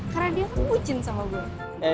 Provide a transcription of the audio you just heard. karena dia kan bucin sama gue